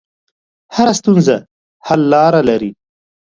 هره ستونزه حل لاره لري.